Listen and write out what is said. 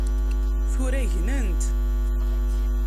Tura gnent.